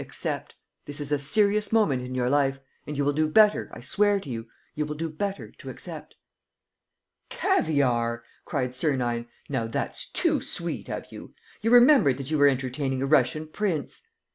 . accept. This is a serious moment in your life ... and you will do better, I swear to you, you will do better ... to accept. ..." "Caviare!" cried Sernine. "Now, that's too sweet of you. ... You remembered that you were entertaining a Russian prince!"